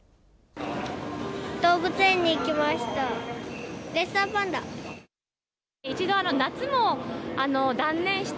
動物園に行きました。